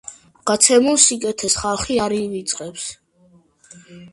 გაცემულ სიკეთეს ხალხი არ ივიწყებს